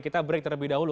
kita break terlebih dahulu